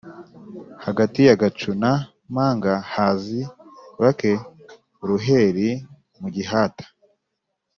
Hagati ya Gacu na Mpanga hazi bake-Uruheri mu gihata.